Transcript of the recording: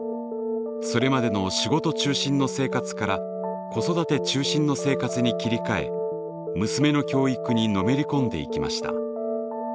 それまでの仕事中心の生活から子育て中心の生活に切り替え娘の教育にのめり込んでいきました。